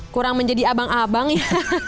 kurang menjadi abang abang ya